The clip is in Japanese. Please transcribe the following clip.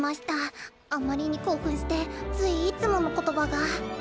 あまりに興奮してついいつもの言葉が。